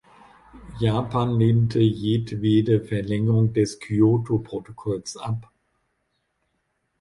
Japan lehnte jedwede Verlängerung des Kyoto-Protokolls ab.